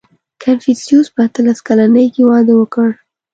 • کنفوسیوس په اتلس کلنۍ کې واده وکړ.